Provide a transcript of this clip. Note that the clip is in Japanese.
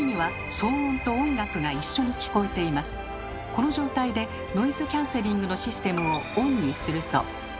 この状態でノイズキャンセリングのシステムをＯＮにすると。